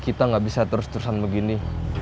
kita nggak bisa terus terusan begini